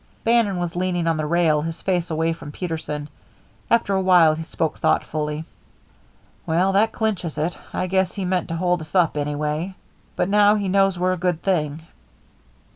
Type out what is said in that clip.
Bannon was leaning on the rail, his face away from Peterson. After a while he spoke thoughtfully. "Well, that cinches it. I guess he meant to hold us up, anyway, but now he knows we're a good thing."